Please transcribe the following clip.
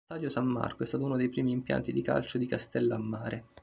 Lo stadio San Marco è stato uno dei primi impianti di calcio di Castellammare.